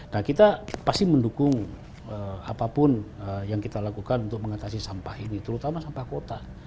nah kita pasti mendukung apapun yang kita lakukan untuk mengatasi sampah ini terutama sampah kota